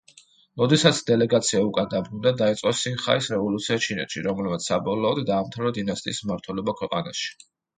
როდესაც დელეგაცია უკან დაბრუნდა, დაიწყო სინხაის რევოლუცია ჩინეთში, რომელმაც საბოლოოდ დაამთავრა დინასტიის მმართველობა ქვეყანაში.